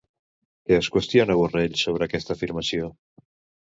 Què es qüestiona Borrell sobre aquesta afirmació?